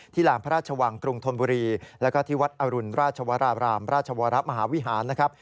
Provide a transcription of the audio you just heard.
แหลมพระราชวังกรุงธนบุรีแล้วก็ที่วัดอรุณราชวราบรามราชวรมหาวิหารนะครับ